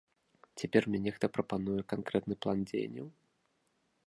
Цяпер мне нехта прапануе канкрэтны план дзеянняў?